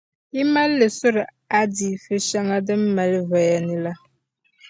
yi mali li n-surila aziifu shɛŋa din mali voya ni la.